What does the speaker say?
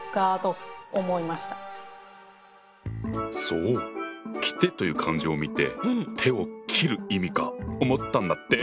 そう「切手」という漢字を見て手を切る意味か思ったんだって。